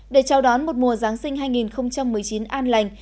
để chào đón một mùa giáng sinh hai nghìn một mươi chín an lành